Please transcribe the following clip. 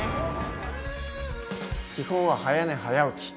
基本は早寝早起き。